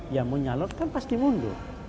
yang mau nyalur kan pasti mundur